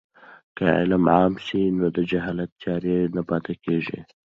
که علم عام سي نو د جهالت تیارې نه پاتې کېږي.